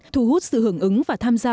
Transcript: thu hút sự hưởng ứng và tham gia